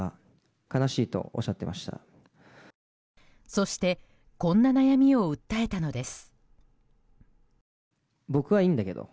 そして、こんな悩みを訴えたのです。